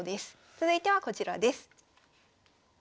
続いてはこちらです。